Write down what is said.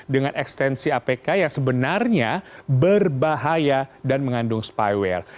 dengan ekstensi apk yang sebenarnya berbahaya dan mengandung spyware